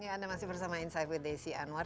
anda masih bersama inside with desi anwar